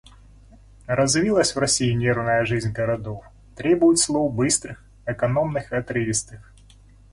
Развилась в России нервная жизнь городов, требует слов быстрых, экономных и отрывистых.